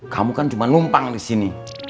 kamu kan cuma numpang disini